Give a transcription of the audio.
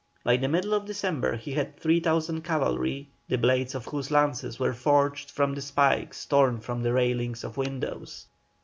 By the middle of December he had 3,000 cavalry, the blades of whose lances were forged from the spikes torn from the railings of windows.